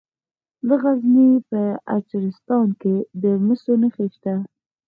د غزني په اجرستان کې د مسو نښې شته.